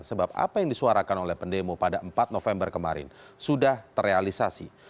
sebab apa yang disuarakan oleh pendemo pada empat november kemarin sudah terrealisasi